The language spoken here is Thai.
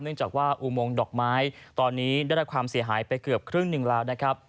จากว่าอุโมงดอกไม้ตอนนี้ได้รับความเสียหายไปเกือบครึ่งหนึ่งแล้วนะครับ